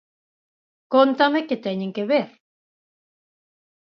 Cóntame que teñen que ver...